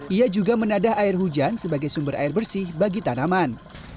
ia juga menadah air hujan sebagai sumber air bersih bagi tanaman